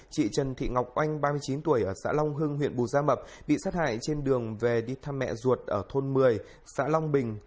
chị trần thị ngọc oanh ba mươi chín tuổi ở xã long hưng huyện bù gia mập bị sát hại trên đường về đi thăm mẹ ruột ở thôn một mươi xã long bình